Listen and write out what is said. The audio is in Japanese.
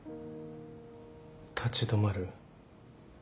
立ち止まる？